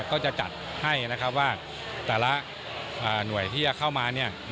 ก็จะจัดให้ว่าแต่ละหน่วยที่จะเข้ามา